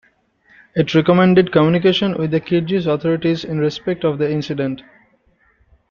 It recommended communication with the Kyrgyz authorities in respect of the incident.